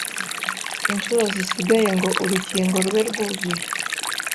inshuro zisigaye ngo urukingo rube rwuzuye,